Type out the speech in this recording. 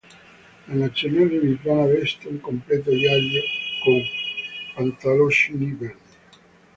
La nazionale lituana veste un completo giallo con pantaloncini verdi.